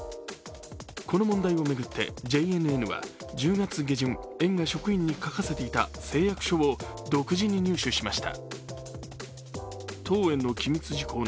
この問題を巡って、ＪＮＮは１０月下旬、園が職員に書かせていた誓約書を独自に入手しました。